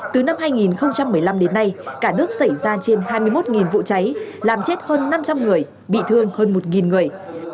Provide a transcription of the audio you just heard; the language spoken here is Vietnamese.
từ năm hai nghìn một mươi năm đến nay cả nước xảy ra trên hai mươi một vụ cháy làm chết hơn năm trăm linh người bị thương hơn một người